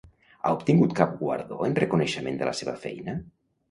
Ha obtingut cap guardó en reconeixement de la seva feina?